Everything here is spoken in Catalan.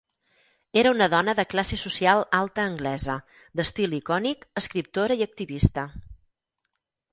Era una dona de classe social alta anglesa, d'estil icònic, escriptora i activista.